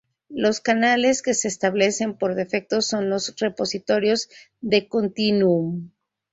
Los canales que se establecen por defecto son los repositorios de Continuum.